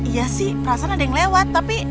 iya sih perasaan ada yang lewat tapi